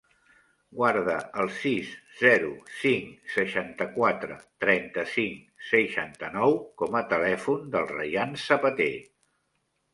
Guarda el sis, zero, cinc, seixanta-quatre, trenta-cinc, seixanta-nou com a telèfon del Rayan Zapater.